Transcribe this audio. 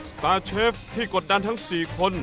สตาร์เชฟที่กดดันทั้ง๔คน